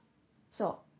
そう。